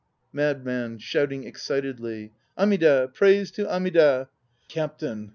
MADMAN (shouting excitedly). Amida! Praise to Amida! CAPTAIN.